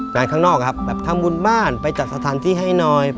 งานข้างนอกครับแบบทำบุญบ้านไปจัดสถานที่ให้หน่อย